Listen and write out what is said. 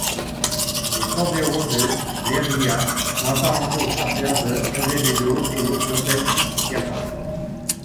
Les Cordeiro de Leiria sont apparentés aux Charters de Azevedo et aux Lopes Vieira.